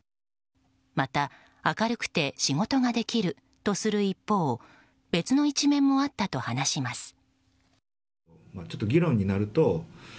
また、明るくて仕事ができるとする一方別の一面もあったと話します。